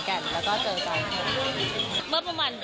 เหมือนเขาเรียกอะไรแบตบอยนิดนึง